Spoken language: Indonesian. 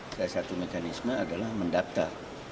salah satu mekanisme adalah mendaftar